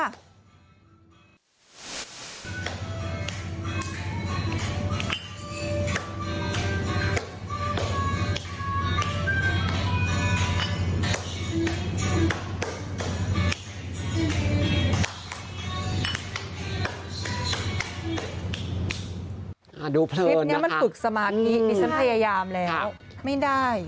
คลิปนี้มันฝึกสมาธิดิฉันพยายามแล้วไม่ได้